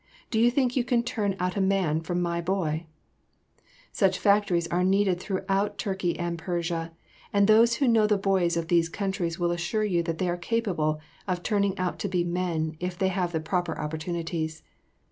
Do you think you can turn out a man from my boy?" Such "factories" are needed throughout Turkey and Persia, and those who know the boys of these countries will assure you that they are capable of turning out to be men if they have the proper opportunities.